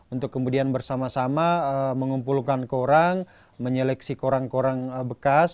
untuk kemudian bersama sama mengumpulkan korang menyeleksi korang korang bekas